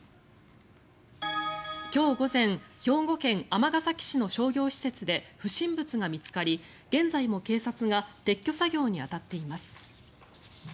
今日午前兵庫県尼崎市の商業施設で不審物がみつかり現在も警察が撤去作業に当たっています。